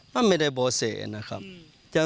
เราไม่ได้เบาเศษนะครับ